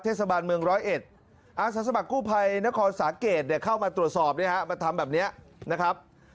เทศบาลเมืองร้อยเอ็ดอาสาสมัครกู้ภัยนครสาเกตเข้ามาตรวจสอบมาทำแบบนี้นะครับ